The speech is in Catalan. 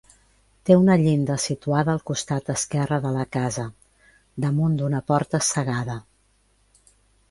Té una llinda situada al costat esquerre de la casa, damunt d'una porta cegada.